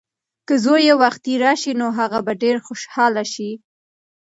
که زوی یې وختي راشي نو هغه به ډېره خوشحاله شي.